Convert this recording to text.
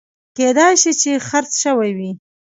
کېدای شي چې خرڅ شوي وي